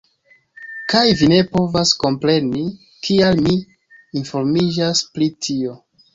Kaj vi ne povas kompreni, kial mi informiĝas pri tio.